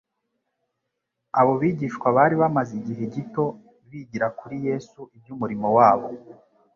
Abo bigishwa bari bamaze igihe gito bigira kuri Yesu iby'umurimo wabo.